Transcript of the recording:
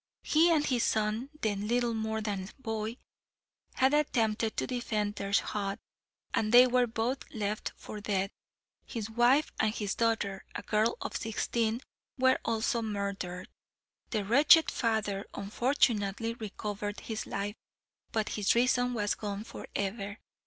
He and his son, then little more than a boy, had attempted to defend their hut, and they were both left for dead. His wife and his daughter, a girl of sixteen, were also murdered. The wretched father, unfortunately, recovered his life, but his reason was gone for ever.